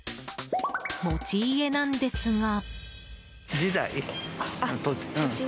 持ち家なんですが。